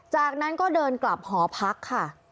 จากนั้นก็เดินกลับหอพักค่ะ